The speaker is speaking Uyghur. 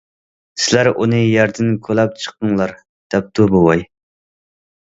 - سىلەر ئۇنى يەردىن كولاپ چىقىڭلار...- دەپتۇ بوۋاي.